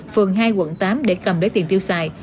phường hai quận tám để cầm lấy tiền tiêu xài